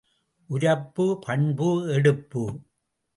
உரப்பு, பண்பு, எடுப்பு.